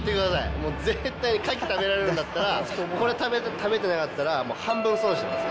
もう絶対、カキ食べられるんだったら、これ、食べてなかったら、もう半分損してますよ。